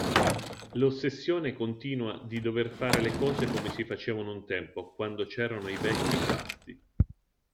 L'ossessione continua di dover fare le cose come si facevano un tempo, quando c'erano i vecchi fasti.